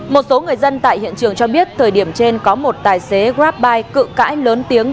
một số người dân tại hiện trường cho biết thời điểm trên có một tài xế grabbuy cự cãi lớn tiếng